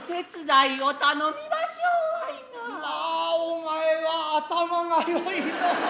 まあお前は頭が良いのう。